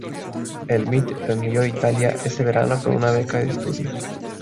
El Met lo envió a Italia ese verano con una beca de estudio.